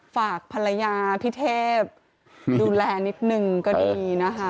ฝากภรรยาพี่เทพดูแลนิดนึงก็ดีนะคะ